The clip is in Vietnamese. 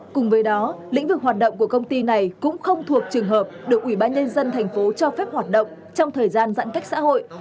cùng với đó lĩnh vực hoạt động của công ty này cũng không thuộc trường hợp được ủy ban nhân dân thành phố cho phép hoạt động trong thời gian giãn cách xã hội